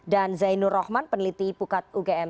zainur rohman peneliti pukat ugm